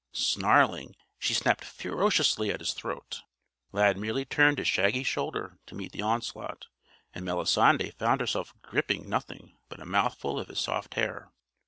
Snarling, she snapped ferociously at his throat. Lad merely turned his shaggy shoulder to meet the onslaught. And Melisande found herself gripping nothing but a mouthful of his soft hair.